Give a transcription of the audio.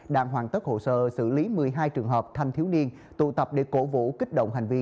đang hoàn tất hồ sơ xử lý một mươi hai trường hợp thanh thiếu niên tụ tập để cổ vũ kích động hành vi